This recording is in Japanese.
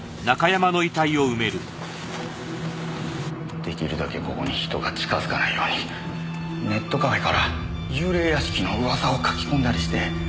出来るだけここに人が近づかないようにネットカフェから幽霊屋敷の噂を書き込んだりして。